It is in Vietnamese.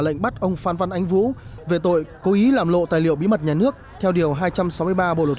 lệnh bắt ông phan văn ánh vũ về tội cố ý làm lộ tài liệu bí mật nhà nước theo điều hai trăm sáu mươi ba bộ luật